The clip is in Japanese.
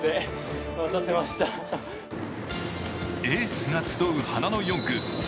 エースが集う花の４区。